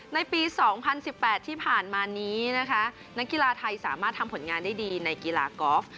ในปี๒๐๑๘ที่ผ่านมานี้นะคะนักกีฬาไทยสามารถทำผลงานได้ดีในกีฬากอล์ฟ